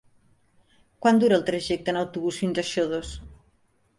Quant dura el trajecte en autobús fins a Xodos?